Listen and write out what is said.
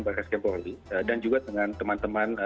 baris kempoli dan juga dengan teman teman